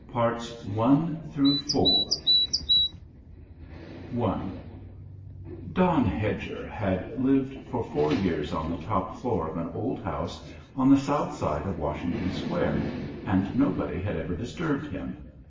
I Don Hedger had lived for four years on the top floor of an old house on the south side of Washington Square, and nobody had ever disturbed him.